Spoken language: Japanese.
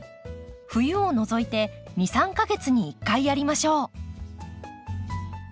冬を除いて２３か月に１回やりましょう。